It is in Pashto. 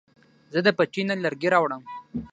زه د پټي نه لرګي راوړم